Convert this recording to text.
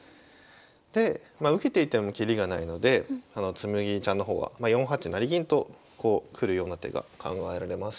でまあ受けていてもきりがないので紬ちゃんの方は４八成銀とこうくるような手が考えられます。